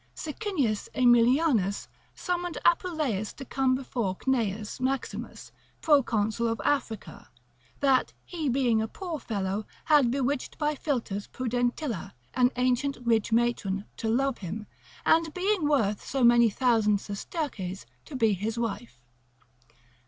Sycinius Aemilianus summoned Apuleius to come before Cneius Maximus, proconsul of Africa, that he being a poor fellow, had bewitched by philters Pudentilla, an ancient rich matron, to love him, and, being worth so many thousand sesterces, to be his wife.